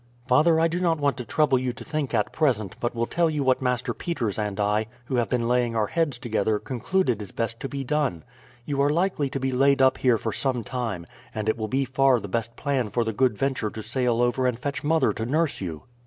"Father, I do not want to trouble you to think at present, but will tell you what Master Peters and I, who have been laying our heads together, concluded is best to be done. You are likely to be laid up here for some time, and it will be far the best plan for the Good Venture to sail over and fetch mother to nurse you."